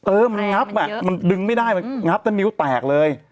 เออมันงับอ่ะมันดึงไม่ได้มันงับถ้านิ้วแตกเลย